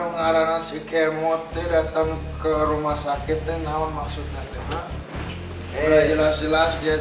udah jelas dua dia mungkin sakit sil seribu sembilan ratus tujuh puluh empat